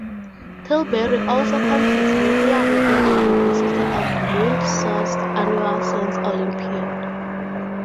Tilbury also competes regularly in the University of Windsor's annual Science Olympiad.